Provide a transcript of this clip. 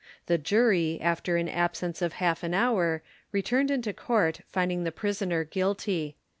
The Jury after an absence of half an hour returned into court finding the Prisoner GUILTY.